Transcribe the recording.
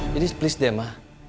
jadi please deh ma